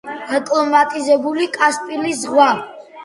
აკლიმატიზებულია კასპიის ზღვაში.